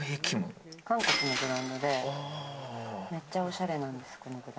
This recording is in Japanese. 韓国のブランドでめっちゃおしゃれなんですよ。